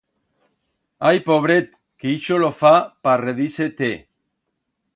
Ai pobret, que ixo lo fa pa redir-se-te.